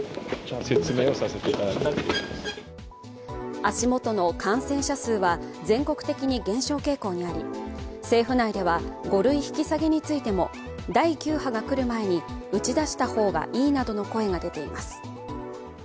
足元の感染者数は全国的に減少傾向にあり政府内では５類引き下げについても第９波が来る前に打ち出した方がいいなどの声が出ています。